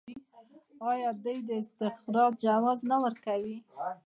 آیا دوی د استخراج جواز نه ورکوي؟